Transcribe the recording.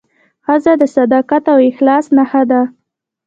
ښځه د صداقت او اخلاص نښه ده.